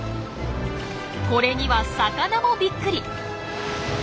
これには魚もびっくり！